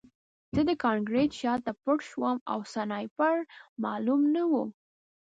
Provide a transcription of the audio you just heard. زه د کانکریټ شاته پټ شوم او سنایپر معلوم نه و